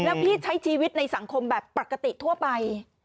แล้วพี่ใช้ชีวิตในสังคมแบบปกติทั่วไป